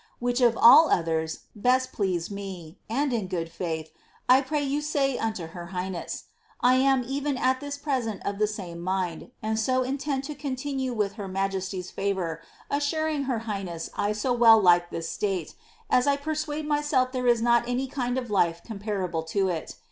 which of all others best pleased me, and in good faith. I pray you say unto hpr highness, I iin even at this present of the same mind, and so intend to <>ontinue with her msjeMy's favour, assuring her highness I so well like this state, as I persuade mvself there is not any kind of life comparable to it.